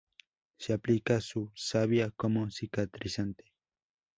Se aplica su savia como cicatrizante.